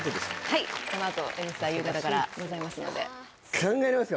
はいこのあと「Ｎスタ」夕方からございますので考えられますか？